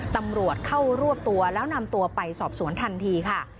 ตำรวจเข้ารวบตัวแล้วนำตัวไปสอบสวนทันทีค่ะ